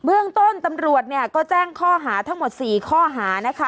เรื่องต้นตำรวจเนี่ยก็แจ้งข้อหาทั้งหมด๔ข้อหานะคะ